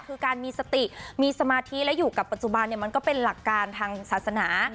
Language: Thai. คือการมีสติมีสมาธิและอยู่กับปัจจุบันมันก็เป็นหลักการทางศาสนา